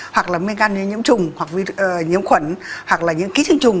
hoặc là men gan như nhiễm trùng hoặc là nhiễm khuẩn hoặc là những ký trưng trùng